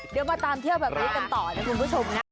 เดี๋ยวมาตามเที่ยวแบบนี้กันต่อนะคุณผู้ชมนะ